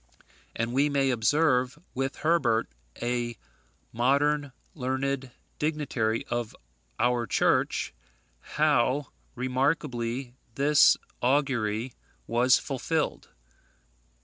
And we may observe, with Herbert, a modern learned dignitary of our Church, how remarkably this augury was fulfilled.